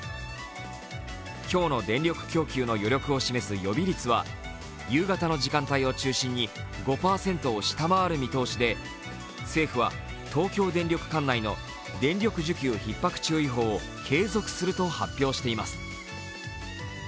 今日の電力供給の余力を示す予備率は夕方の時間帯を中心に５％を下回る見通しで政府は東京電力管内の電力需給ひっ迫注意報を継続すると発表しています。